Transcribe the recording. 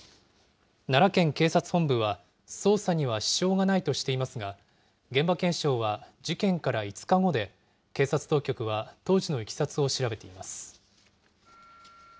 奈良県警察本部は、捜査には支障がないとしていますが、現場検証は事件から５日後で、警察当局は、当時のいきさつを調べています。